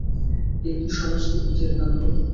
এ কি সমস্ত ভূতের কাণ্ড!